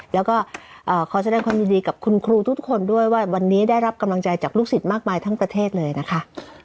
แล้วก็ขอแสดงความยินดีกับคุณครูทุกคนด้วยว่าวันนี้ได้รับกำลังใจจากลูกศิษย์มากมายทั้งประเทศเลยนะคะ